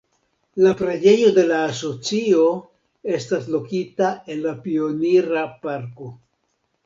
La Preĝejo de la Asocio estas lokita en la Pionira Parko.